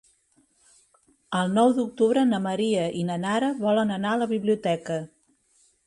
El nou d'octubre na Maria i na Nara volen anar a la biblioteca.